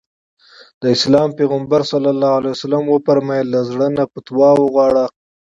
د اسلام پيغمبر ص وفرمايل له زړه نه فتوا وغواړه.